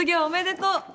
おめでとう！